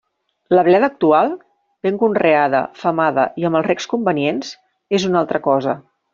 La bleda actual, ben conreada, femada i amb els recs convenients és una altra cosa.